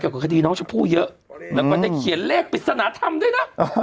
กับคดีน้องชมพู่เยอะแล้วก็จะเขียนเลขปริศนธรรมด้วยนะ